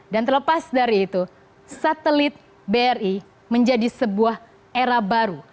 dan terlepas dari itu satelit bri menjadi sebuah era baru